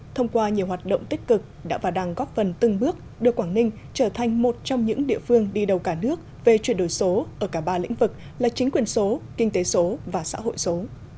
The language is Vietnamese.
thông qua nhiều hoạt động tích cực đã và đang góp phần từng bước đưa quảng ninh trở thành một trong những địa phương đi đầu cả nước về chuyển đổi số ở cả ba lĩnh vực là chính quyền số kinh tế số và xã hội số